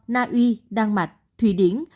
nha uy đan mạch thủy điển